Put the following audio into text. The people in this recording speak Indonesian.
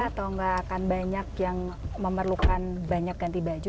atau nggak akan banyak yang memerlukan banyak ganti baju